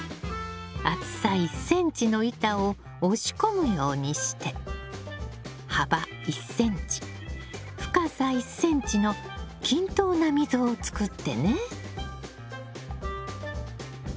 厚さ１ｃｍの板を押し込むようにして幅１ｃｍ深さ１ｃｍの均等な溝を作ってね。